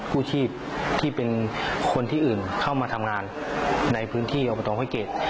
ผู้ชีพที่เป็นคนที่อื่นเข้ามาทำงานในพื้นที่อบตห้อยเกรด